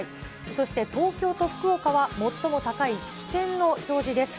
そして東京と福岡は最も高い危険の表示です。